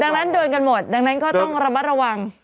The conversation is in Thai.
ดังนั้นโดนกันหมดดังนั้นก็ต้องระมัดระวัง